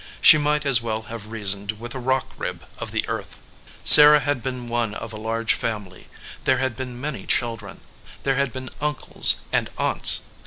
She might as well have reasoned with a rock rib of the earth. Sarah had been one of a large family. There had been many children. There had been uncles and aunts.